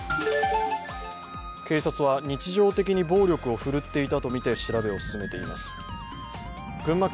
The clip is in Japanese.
警察は日常的に暴力を振るっていたとして調べています。